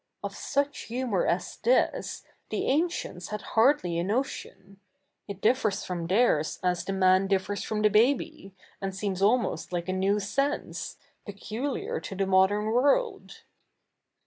Of such huinour as this the ancients had hardly a notion ; it differs f?'om theirs as the ma)i differs f'om the baby, and seems almost like a nc7v sense, peculiar to the modern zvorld.